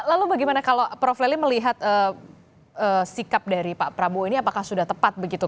lalu bagaimana kalau prof leli melihat sikap dari pak prabowo ini apakah sudah tepat begitu